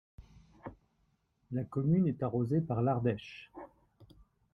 La commune est arrosée par l'Ardèche.